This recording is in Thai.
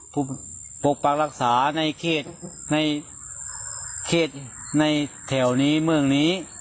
ผู้ปรกปรักษาในเที่ยวนี้เพราะให้